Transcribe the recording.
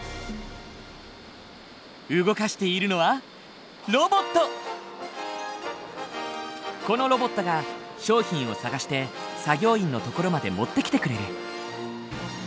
動かしているのはこのロボットが商品を探して作業員の所まで持ってきてくれる。